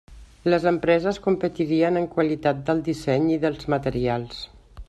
Les empreses competirien en qualitat del disseny i dels materials.